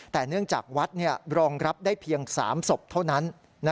แต่เนื่องจากวัดรองรับได้เพียง๓ศพเท่านั้น